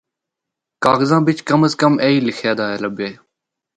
کاغذاں بچ کم از کم ایہہ لخے دا لبھے۔